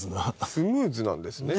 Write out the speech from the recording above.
スムーズなんですね。